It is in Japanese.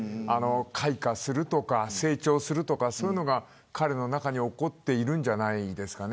開花するとか成長するとかそういうのが彼の中に起きているんじゃないですか。